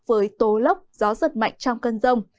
với tố lốc gió rất mạnh trong cân rông